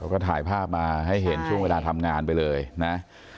ก็ถ่ายภาพมาให้เห็นช่วงเวลาทำงานไปเลยนะ